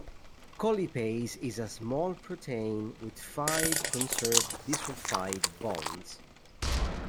Colipase is a small protein with five conserved disulphide bonds.